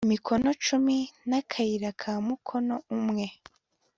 mikono cumi n akayira ka mukono umwe